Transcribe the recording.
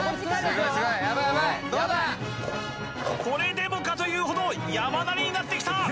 これでもかというほど山なりになってきた！